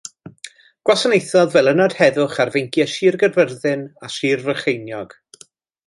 Gwasanaethodd fel ynad heddwch ar feinciau Sir Gaerfyrddin a Sir Frycheiniog.